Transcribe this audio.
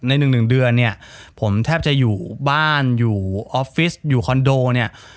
หนึ่งหนึ่งเดือนเนี่ยผมแทบจะอยู่บ้านอยู่ออฟฟิศอยู่คอนโดเนี่ย